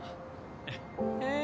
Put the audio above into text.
ええ。